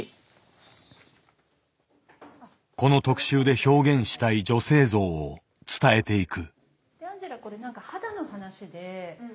この特集で表現したい女性像を伝えていく。